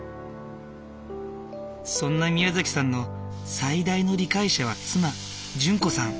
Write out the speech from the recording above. そんなみやざきさんの最大の理解者は妻淳子さん。